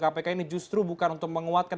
kpk ini justru bukan untuk menguatkan